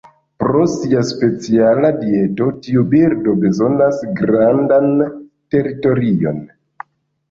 Pro sia speciala dieto, tiu birdo bezonas grandan teritorion.